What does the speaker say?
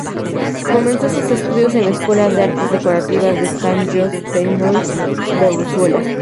Comenzó sus estudios en la Escuela de Artes Decorativas de "Saint-Josse-ten-Noode" de Bruselas.